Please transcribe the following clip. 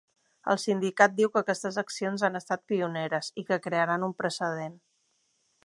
El sindicat diu que aquestes accions han estat “pioneres” i que crearan un precedent.